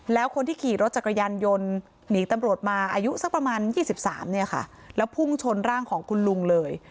แล้วคนที่ขี่รถจักรยานยนต์หนีตำรวจมาอายุสักประมาณ๒๓เนี่ยค่ะแล้วพุ่งชนร่างของคุณลุงเลย